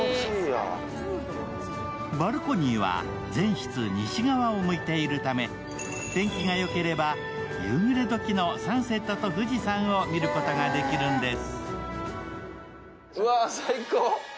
バルコニーは全室西側を向いているため、天気が良ければ夕暮れ時のサンセットと富士山を見ることができるんです。